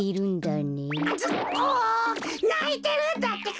ないてるんだってか！